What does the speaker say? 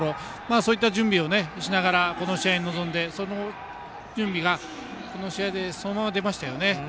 そういった準備をしながらこの試合に臨んでその準備がこの試合でそのまま出ましたよね。